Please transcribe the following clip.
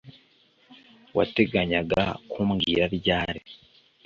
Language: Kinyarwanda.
Wateganyaga kumbwira ryari